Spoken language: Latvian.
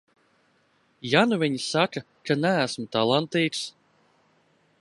Ja nu viņi saka, ka neesmu talantīgs?